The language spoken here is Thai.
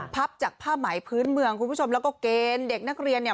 พับจากผ้าไหมพื้นเมืองคุณผู้ชมแล้วก็เกณฑ์เด็กนักเรียนเนี่ย